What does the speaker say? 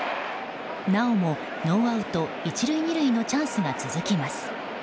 なおもノーアウト１塁２塁のチャンスが続きます。